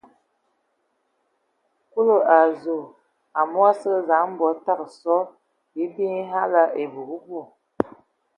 Kulu a zu, amu a sə kig dzam bɔ tə so: bii bi hm nye vala ebu bu.